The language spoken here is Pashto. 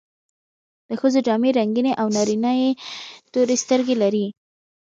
د ښځو جامې رنګینې او نارینه یې تورې سترګې لري.